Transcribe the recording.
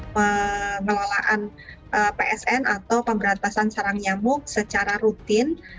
pengelolaan psn atau pemberantasan sarang nyamuk secara rutin